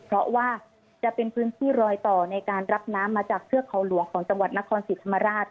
เพราะว่าจะเป็นพื้นที่รอยต่อในการรับน้ำมาจากเทือกเขาหลวงของจังหวัดนครศรีธรรมราช